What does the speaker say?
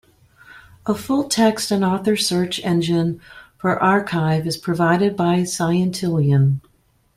A full text and author search engine for arXiv is provided by Scientillion.